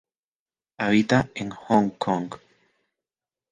Habita en Hong Kong.